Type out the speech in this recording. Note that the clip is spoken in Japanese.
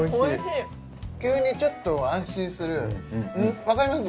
急にちょっと安心するよねわかります？